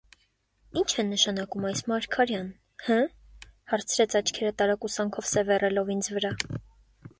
Ի՞նչ է նշանակում այս, Մարգարյան, հը՞,- հարցրեց աչքերը տարակուսանքով սևեռելով ինձ վրա: